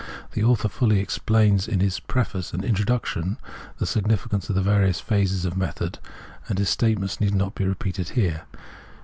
The author fully explains in his '' Preface " and '' Introduc tion" the significance of the various phases of the method, and his statements need not be repeated here.